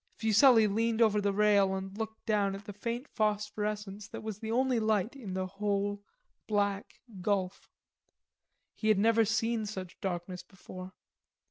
Fuselli leaned over the rail and looked down at the faint phosphorescence that was the only light in the whole black gulf. He had never seen such darkness before.